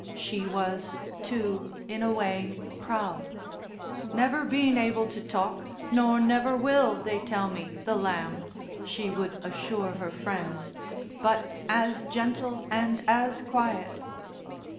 She was too, in a way, proud. "Never been able to talk, nor never will, they tell me, the lamb," she would assure her friends, "but as gentle and as quiet!"